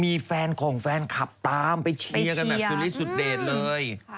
มีแฟนของแฟนคลับตามไปเชียร์กันแบบสุริสุดเดชเลย